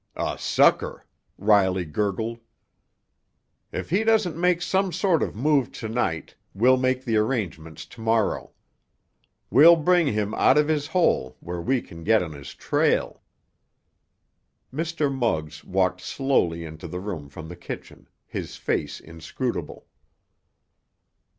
"A sucker!" Riley gurgled. "If he doesn't make some sort of move to night we'll make the arrangements to morrow. We'll bring him out of his hole where we can get on his trail." Mr. Muggs walked slowly into the room from the kitchen, his face inscrutable.